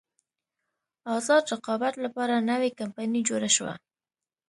ازاد رقابت لپاره نوې کمپنۍ جوړه شوه.